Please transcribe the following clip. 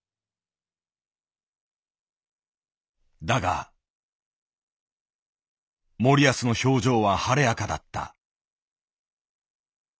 だが森保の表情は晴れやかだった。